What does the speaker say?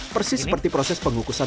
persis seperti proses pengukuran